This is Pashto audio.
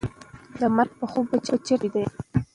د مرګ په خوب به چېرته ویده یم